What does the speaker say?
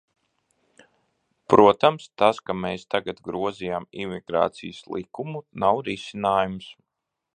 Protams, tas, ka mēs tagad grozījām Imigrācijas likumu, nav risinājums.